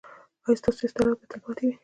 ایا ستاسو استراحت به تلپاتې وي؟